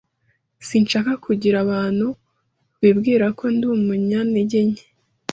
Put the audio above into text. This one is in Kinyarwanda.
Sinshaka kugira abantu bibwira ko ndi umunyantege nke.